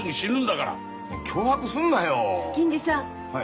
はい。